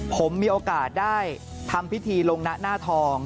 ผมมีโอกาสได้ทำพิธีลงนะหน้าทอง